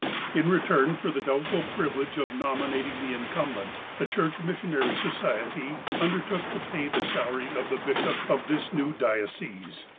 In return for the doubtful privilege of nominating the incumbent, the Church Missionary Society undertook to pay the salary of the bishop of this new diocese.